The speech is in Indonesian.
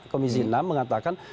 komisi enam mengatakan